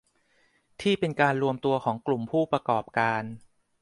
ที่เป็นการรวมตัวของกลุ่มผู้ประกอบการ